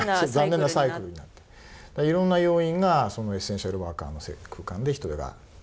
いろんな要因がエッセンシャルワーカーの空間で人手が足りない。